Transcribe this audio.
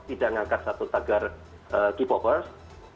tidak mengangkat satu tagar deep offers